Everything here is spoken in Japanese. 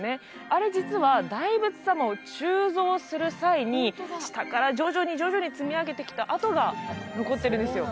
あれ実は大仏様を鋳造する際に下から徐々に徐々に積み上げてきた跡が残ってるんですよ